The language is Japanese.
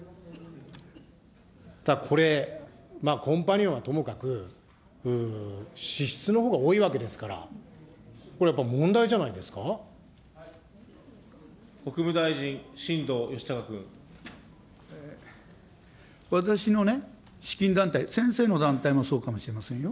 これ、コンパニオンはともかく、支出のほうが多いわけですから、国務大臣、私のね、資金団体、先生の団体もそうかもしれませんよ。